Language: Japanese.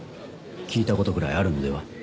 聞いたことぐらいあるのでは？